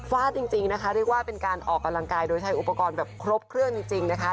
จริงนะคะเรียกว่าเป็นการออกกำลังกายโดยใช้อุปกรณ์แบบครบเครื่องจริงนะคะ